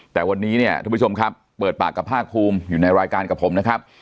แต่วันนี้เนี่ยทุกผู้ชมครับเปิดปากกับภาคภูมิอยู่ในรายการกับผมนะครับ